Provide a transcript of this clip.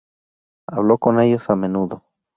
Hablo con ellos a menudo.